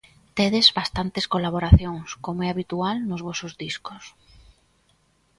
Tedes bastantes colaboracións, como é habitual nos vosos discos.